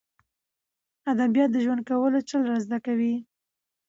ادبیات د ژوند کولو چل را زده کوي.